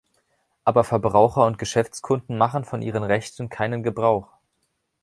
Aber Verbraucher und Geschäftskunden machen von ihren Rechten keinen Gebrauch.